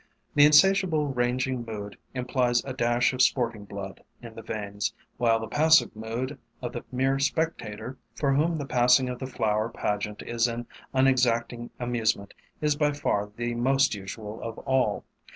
The insatiable ranging mood implies a dash of sporting blood in the veins; while the passive mood of the mere spectator, for whom the passing of the flower pageant is an unexacting amusement, is by far the most usual of all.